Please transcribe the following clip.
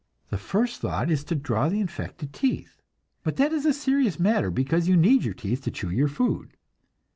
The first thought is to draw the infected teeth; but that is a serious matter, because you need your teeth to chew your food.